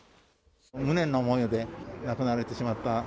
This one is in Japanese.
無念の思いで亡くなられてしまった。